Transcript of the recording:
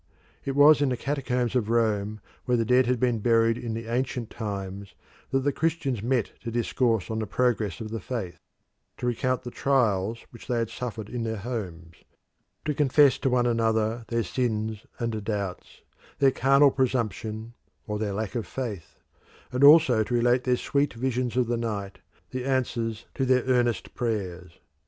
It was in the catacombs of Rome, where the dead had been buried in the ancient times, that the Christians met to discourse on the progress of the faith; to recount the trials which they suffered in their homes; to confess to one another their sins and doubts, their carnal presumption, or their lack of faith; and also to relate their sweet visions of the night, the answers to their earnest prayers.